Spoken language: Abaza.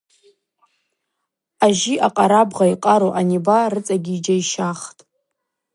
Ажьи акъарабгъа йкъару аниба рыцӏагьи йджьайщахтӏ.